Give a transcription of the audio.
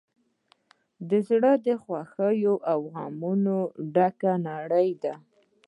زړه د خوښیو او غمونو ګډه نړۍ ده.